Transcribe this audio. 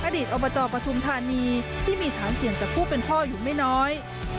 อบจปฐุมธานีที่มีฐานเสี่ยงจากผู้เป็นพ่ออยู่ไม่น้อย